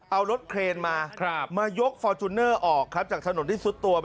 เอารถเครนมา